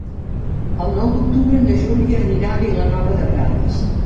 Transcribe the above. El nou d'octubre na Júlia anirà a Vilanova de Prades.